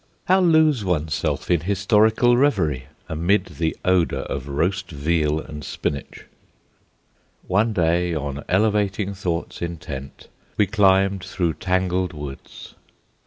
How lose one's self in historical reverie amid the odour of roast veal and spinach? One day, on elevating thoughts intent, we climbed through tangled woods.